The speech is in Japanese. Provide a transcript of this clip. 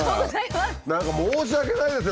何か申し訳ないですね